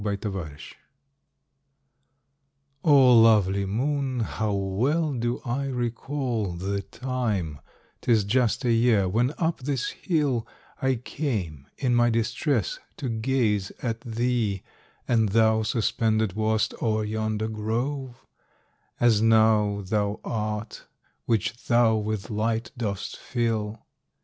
TO THE MOON. O lovely moon, how well do I recall The time,—'tis just a year—when up this hill I came, in my distress, to gaze at thee: And thou suspended wast o'er yonder grove, As now thou art, which thou with light dost fill.